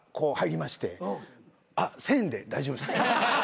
あっ１，０００円で大丈夫です。